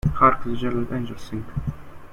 Hark the Herald Angels sing.